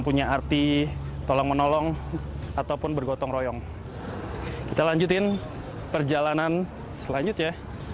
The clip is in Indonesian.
punya arti tolong menolong ataupun bergotong royong kita lanjutin perjalanan selanjutnya